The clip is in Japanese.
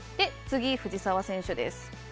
次、藤澤選手です。